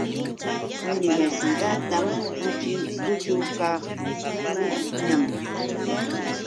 Universidadta puchukaqluuñam.